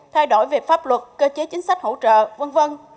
thay đổi về pháp luật cơ chế chính sách hỗ trợ v v